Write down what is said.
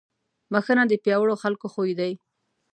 بښنه د پیاوړو خلکو خوی دی.